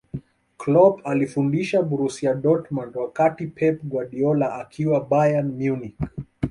Kloop alifundisha borusia dortmund wakati pep guardiola akiwa bayern munich